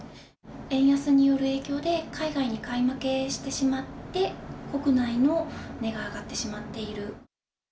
円安による影響で、海外に買い負けしてしまって、国内の値が上がってしまっている。